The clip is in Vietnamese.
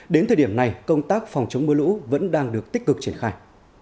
đến thời điểm này công tác phòng chống mưa lũ vẫn đang được tích cực triển khai